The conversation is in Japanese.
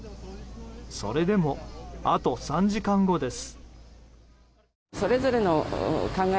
それでも、あと３時間後です。